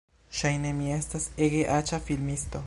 Ŝajne mi estas ege aĉa filmisto